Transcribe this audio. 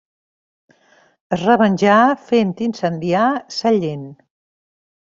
Es revenjà fent incendiar Sallent.